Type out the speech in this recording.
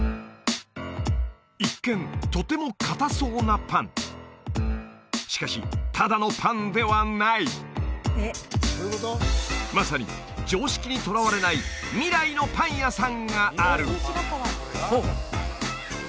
一見とてもかたそうなパンしかしただのパンではないまさに常識にとらわれないがあるおっ！